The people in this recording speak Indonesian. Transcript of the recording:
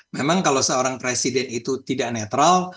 memang kalau seorang presiden itu tidak netral